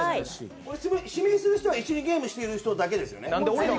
指名する人は一緒にゲームしている人だけですよね？